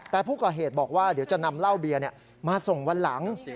แต่ผู้ก่อเหตุบอกว่าเดี๋ยวจะนำเหล้าเบียร์มาส่งวันหลัง